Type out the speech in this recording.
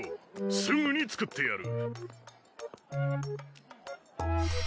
すぐに作ってやる。